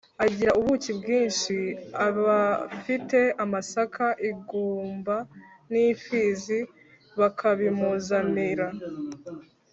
agira ubuki bwinshi, abafite amasaka, ingumba n’imfizi bakabimuzanira